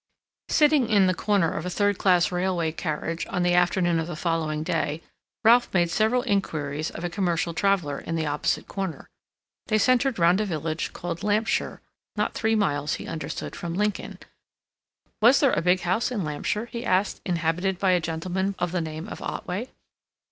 Sitting in the corner of a third class railway carriage, on the afternoon of the following day, Ralph made several inquiries of a commercial traveler in the opposite corner. They centered round a village called Lampsher, not three miles, he understood, from Lincoln; was there a big house in Lampsher, he asked, inhabited by a gentleman of the name of Otway?